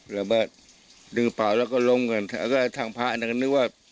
หรือว่าดึงกระเป๋าแล้วก็ลงกันแล้วก็ทางพระอันนั้นก็นึกว่า